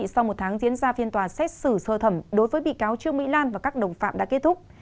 sau một tháng diễn ra phiên tòa xét xử sơ thẩm đối với bị cáo trương mỹ lan và các đồng phạm đã kết thúc